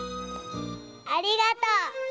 ありがとう。